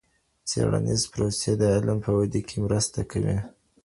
څېړنیز پروسې د علم په ودې کي مرسته کوي.